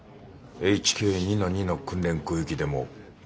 ＨＫ２−２の訓練空域でも可能か？